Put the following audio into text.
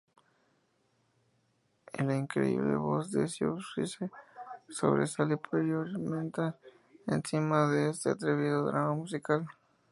Y la increíble voz de Siouxsie sobresale prominentemente encima de este atrevido drama musical.